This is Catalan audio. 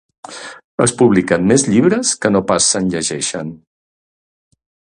Es publiquen més llibres que no pas se'n llegeixen.